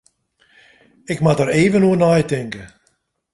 Ik moat der even oer neitinke.